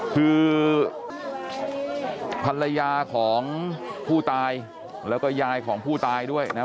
คือภรรยาของผู้ตายแล้วก็ยายของผู้ตายด้วยนะครับ